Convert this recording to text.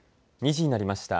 ２時になりました。